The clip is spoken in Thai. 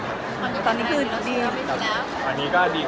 ธตอนนี้คือเบี้ยง